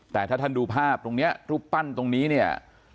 แต่ถ้าท่านดูภาพตรงนี้รูปปั้นตรงนี้เนี่ย